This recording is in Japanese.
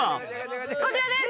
こちらです！